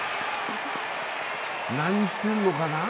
何してるのかな？